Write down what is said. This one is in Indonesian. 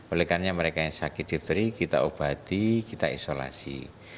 oleh karena mereka yang sakit difteri kita obati kita isolasi